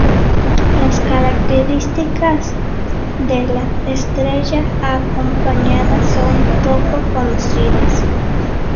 Las características de la estrella acompañante son poco conocidas.